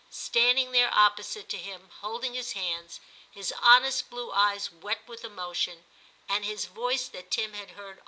Standing there opposite to him, holding his hands, his honest blue eyes wet with emotion, and his voice that Tim had heard 230 TIM CHAP.